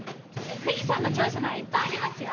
藤さんの長所ならいっぱいありますよ。